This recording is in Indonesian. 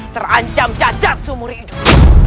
terancam cacat seumur hidup